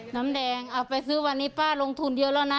น้ำแดงเอาไปซื้อวันนี้ป้าลงทุนเยอะแล้วนะ